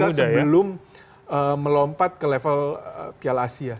kawah candera di muka sebelum melompat ke level piala asia